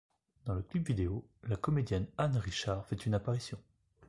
Dans le clip vidéo, la comédienne Anne Richard fait une apparition.